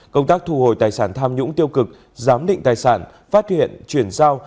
công tác thu hồi tài sản tham nhũng tiêu cực giám định tài sản phát hiện chuyển giao